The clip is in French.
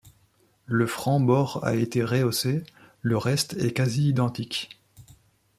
Le franc-bord a été réhaussé, le reste est quasi-identique.